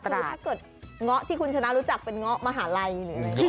คือถ้าเกิดเงาะที่คุณชนะรู้จักเป็นเงาะมหาลัยหรืออะไรอย่างนี้